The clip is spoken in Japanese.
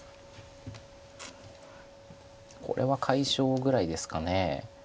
これは解消ぐらいですか。